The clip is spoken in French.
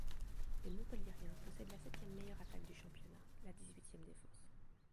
Les Montpelliérains possèdent la septième meilleure attaque du championnat, la dix-huitième défense.